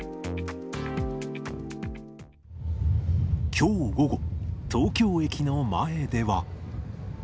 きょう午後、東京駅の前では。